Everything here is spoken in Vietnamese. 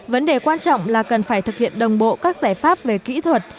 vấn đề quan trọng là cần phải thực hiện đồng bộ các giải pháp về kỹ thuật